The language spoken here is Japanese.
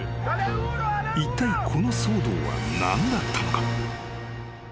［いったいこの騒動は何だったのか？］